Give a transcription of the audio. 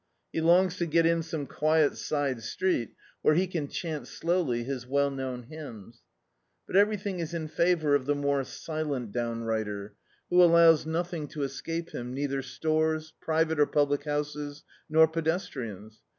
He longs to get in some quiet side street where he can chant slowly his well known hymns. But everything is in favour of the more silent down righter; who allows nothing to escape him, neither stores, private or public houses, nor pedestrians.